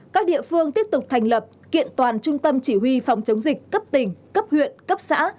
các địa phương tiếp tục thành lập kiện toàn trung tâm chỉ huy phòng chống dịch cấp tỉnh cấp huyện cấp xã